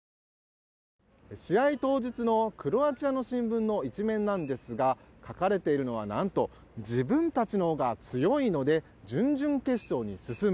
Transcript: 試合当日のクロアチアの新聞の１面ですが書かれているのは、何と自分たちのほうが強いので準々決勝に進む。